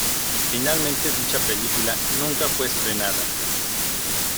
Finalmente dicha película nunca fue estrenada.